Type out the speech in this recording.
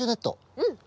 うん！